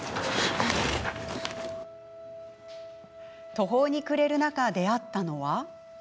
途方に暮れる中、出会ったのは。